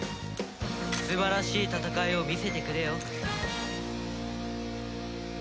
素晴らしい戦いを見せてくれよ。